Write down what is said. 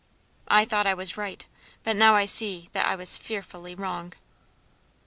"I thought I was right, but now I see that I was fearfully wrong."